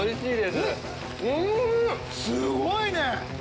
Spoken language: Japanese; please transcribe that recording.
すごいね。